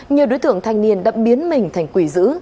nhiều đối tượng thanh niên đã biến mình thành quỷ dữ